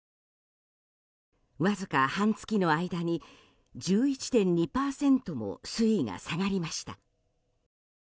わずか半月の間に１１．２％も水位が下がりました。